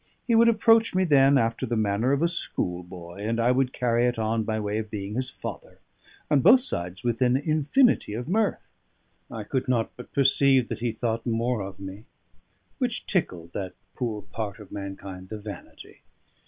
He would approach me then after the manner of a schoolboy, and I would carry it on by way of being his father: on both sides, with an infinity of mirth. I could not but perceive that he thought more of me, which tickled that poor part of mankind, the vanity.